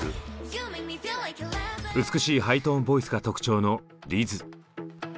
美しいハイトーンボイスが特徴のリズ。